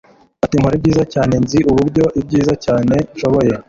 Ati Nkora ibyiza cyane nzi uburyo ibyiza cyane nshoboye